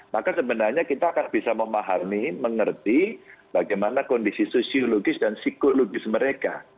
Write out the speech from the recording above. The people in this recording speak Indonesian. maka sebenarnya kita akan bisa memahami mengerti bagaimana kondisi sosiologis dan psikologis mereka